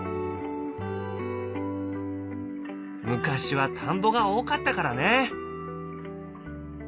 昔は田んぼが多かったからね。